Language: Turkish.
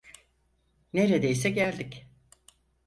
Nerdeyse geldik.